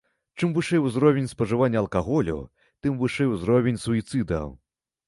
Чым вышэй узровень спажывання алкаголю, тым вышэй узровень суіцыдаў.